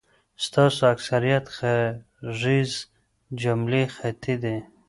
ستاسو اکثریت غږیز جملی خلطی دی